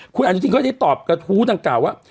คุณอาจารย์จริงก็ได้ตอบกระทู้ดังกล่าวว่า